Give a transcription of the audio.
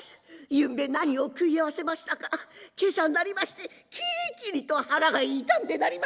ゆんべ何を食い合わせましたか今朝になりましてキリキリと腹が痛んでなりません。